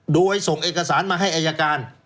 โดยส่งเอกสารมาให้อายการ